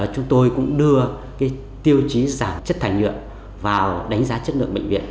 chúng tôi cũng đưa tiêu chí giảm chất thải nhựa vào đánh giá chất lượng bệnh viện